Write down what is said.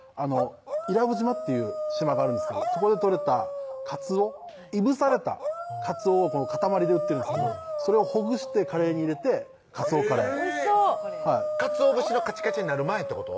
伊良部島っていう島があるんですけどそこで取れたかつおいぶされたかつおを塊で売ってるんですけどそれをほぐしてカレーに入れてかつおカレーかつお節のカチカチになる前ってこと？